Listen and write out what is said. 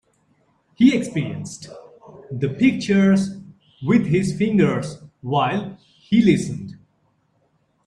He experienced the pictures with his fingers while he listened.